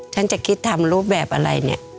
ฉันจะคิดทำรูปแบบอะไร